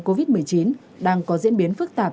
covid một mươi chín đang có diễn biến phức tạp